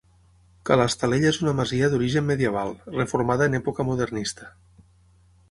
Ca l'Estalella és una masia d'origen medieval, reformada en època modernista.